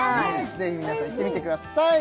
ぜひ皆さん行ってみてください